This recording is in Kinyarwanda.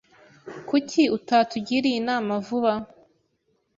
Kuki utatugiriye inama vuba?